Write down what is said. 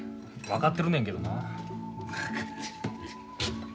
分かってるねんけどな。